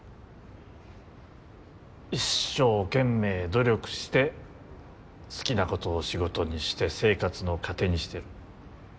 一生懸命努力して好きなことを仕事にして生活の糧にしてる。